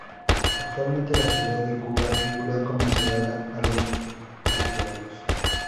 Actualmente la ciudad de Cuba figura como cerrada a los usuarios.